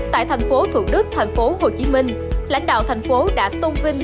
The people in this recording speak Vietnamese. tại thành phố thủ đức thành phố hồ chí minh lãnh đạo thành phố đã tôn vinh